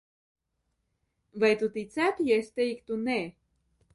"Vai tu ticētu, ja es teiktu "nē"?"